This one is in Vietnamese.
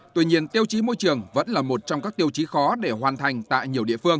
tuy nhiên tiêu chí môi trường vẫn là một trong các tiêu chí khó để hoàn thành tại nhiều địa phương